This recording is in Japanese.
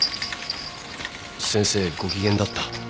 先生ご機嫌だった。